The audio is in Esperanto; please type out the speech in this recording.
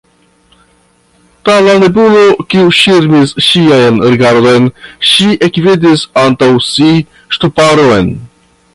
Tra la nebulo, kiu ŝirmis ŝian rigardon, ŝi ekvidis antaŭ si ŝtuparon.